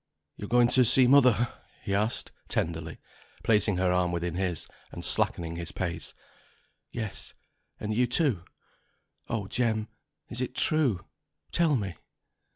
"You're going to see mother?" he asked tenderly, placing her arm within his, and slackening his pace. "Yes, and you too. Oh, Jem, is it true? tell me."